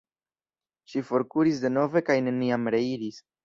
Ŝi forkuris denove kaj neniam reiris.